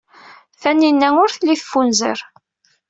Tanina ur telli teffunzer.